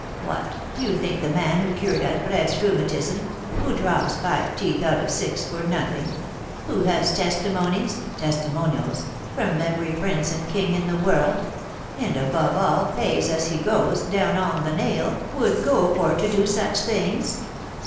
What, do you think the man who cured Alfred's rheumatism, who draws five teeth out of six for nothing, who has testimonies (testimonials) from every prince and king in the world, and, above all, pays as he goes, down on the nail, would go for to do such things?